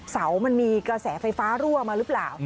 เสามันมีกระแสไฟฟ้ารั่วมาหรือเปล่า